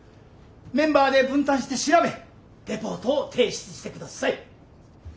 メンバーで分担して調べレポートを提出してください。